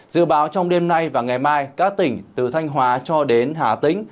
dự báo trong đêm nay và ngày mai các tỉnh từ thanh hóa cho đến hà tĩnh